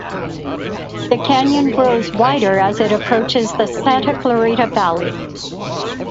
The canyon grows wider as it approaches the Santa Clarita Valley.